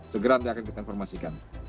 segera nanti akan kita informasikan